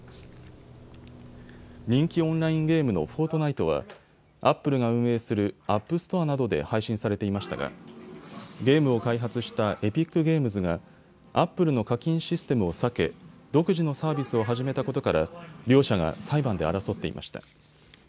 人気オンラインゲームのフォートナイトは、アップルが運営するアップストアなどで配信されていましたがゲームを開発したエピックゲームズがアップルの課金システムを避け、独自のサービスを始めたことから両者が裁判で争っていました。